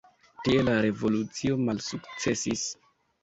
Tiel la revolucio malsukcesis.